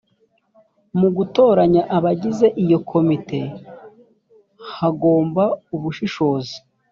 mu gutoranya abagize iyo komite hagomba ubushishozi